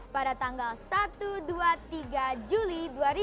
pada tanggal satu dua tiga juli dua ribu dua puluh